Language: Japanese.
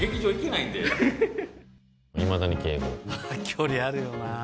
距離あるよなあ